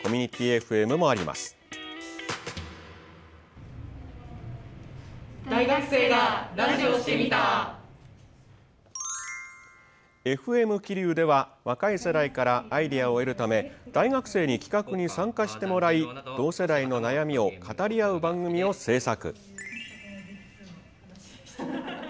ＦＭ桐生では若い世代からアイデアを得るため大学生に企画に参加してもらい同世代の悩みを語り合う番組を制作。